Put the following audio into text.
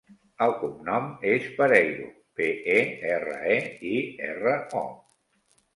El cognom és Pereiro: pe, e, erra, e, i, erra, o.